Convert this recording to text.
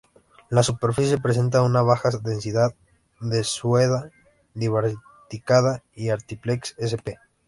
La superficie presenta una baja densidad de "Suaeda divaricata" y "Atriplex" sp..